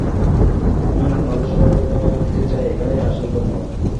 আমি আপনাদের সবাইকে ধন্যবাদ দিতে চাই এখানে আসার জন্য।